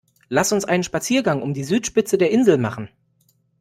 Lass uns einen Spaziergang um die Südspitze der Insel machen!